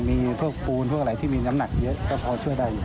มีพวกปูนพวกอะไรที่มีน้ำหนักเยอะก็พอช่วยได้อยู่